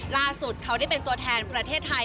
ล่าสุดเขาได้เป็นตัวแทนประเทศไทย